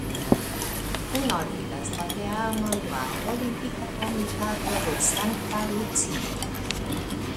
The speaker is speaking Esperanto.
Kunordigas la teamon la Olimpika Komitato de Sankta Lucio.